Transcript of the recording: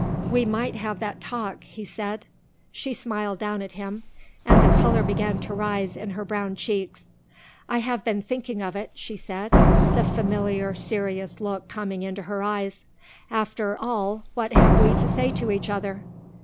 "We might have that talk," he said. She smiled down at him and the colour began to rise in her brown cheeks. "I have been thinking of it," she said, the familiar serious look coming into her eyes. "After all what have we to say to each other?"